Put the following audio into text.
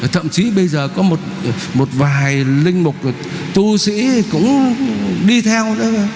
thậm chí bây giờ có một vài linh mục tu sĩ cũng đi theo nữa